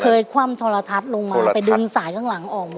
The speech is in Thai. คว่ำโทรทัศน์ลงมาไปดึงสายข้างหลังออกมา